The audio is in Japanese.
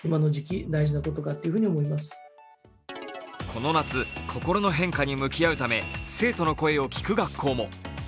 この夏、心の変化に向き合うため生徒の声を聞く学校も。